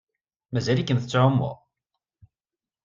Mazal-ikem tettɛummuḍ?